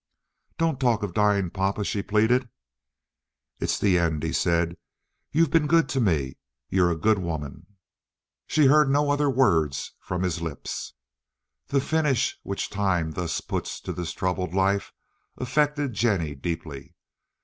"Don't talk of dying, papa," she pleaded. "It's the end," he said. "You've been good to me. You're a good woman." She heard no other words from his lips. The finish which time thus put to this troubled life affected Jennie deeply.